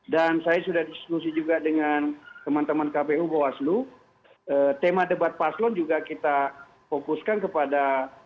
saya sudah diskusi juga dengan teman teman kpu bawaslu tema debat paslon juga kita fokuskan kepada